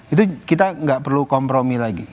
itu kita nggak perlu kompromi lagi